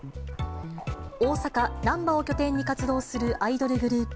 大阪・難波を拠点に活動するアイドルグループ、